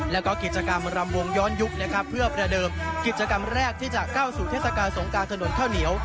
แล้วก็กิจกรรมรำวงย้อนยุคนะครับเพื่อประเดิมกิจกรรมแรกที่จะเข้าสู่เทศกาลสงการถนนข้าวเหนียว